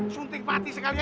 suntik pati sekalian ya